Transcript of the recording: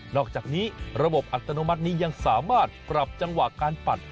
อกจากนี้ระบบอัตโนมัตินี้ยังสามารถปรับจังหวะการปัด